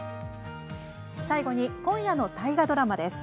最後に今夜の大河ドラマです。